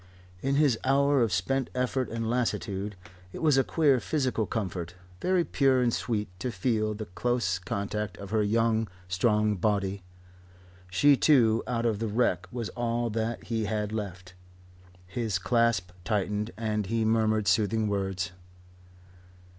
In this hour of spent effort and lassitude it was a queer physical comfort, very pure and sweet, to feel the close contact of her young, strong body. She, too, out of the wreck, was all that he had left. His clasp tightened, and he murmured soothing words.